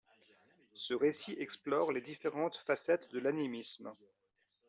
Ce récit explore les différentes facettes de l'animisme.